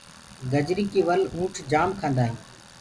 گجرينٚ ڪي ول اُنٺ جآم کآندآ هينٚ۔